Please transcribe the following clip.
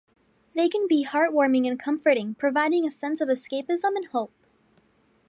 They can be heartwarming and comforting, providing a sense of escapism and hope.